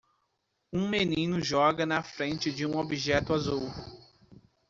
Um menino joga na frente de um objeto azul.